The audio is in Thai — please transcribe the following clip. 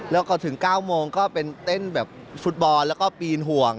แล้วก็ถึง๙โมงก็เป็นเต้นแบบฟุตบอลแล้วก็ปีนห่วง